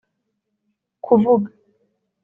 Kuvuga